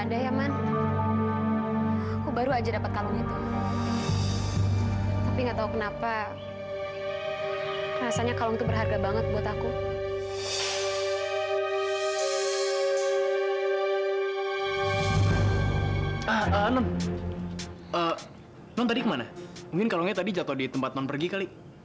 sampai jumpa di video selanjutnya